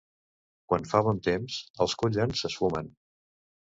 Quan fa bon temps, els Cullen s'esfumen.